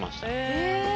へえ。